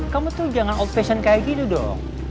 kamu tuh jangan old passion kayak gitu dong